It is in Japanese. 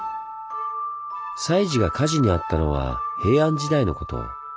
西寺が火事にあったのは平安時代のこと。